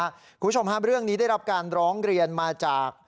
คุณผู้ชมฮะเรื่องนี้ได้รับการร้องเรียนมาจาก